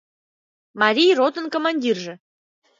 Марий ротын командирже...